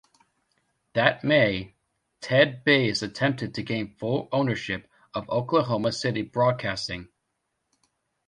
That May, Ted Baze attempted to gain full ownership of Oklahoma City Broadcasting.